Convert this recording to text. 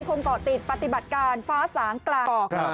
เกาะติดปฏิบัติการฟ้าสางกลาง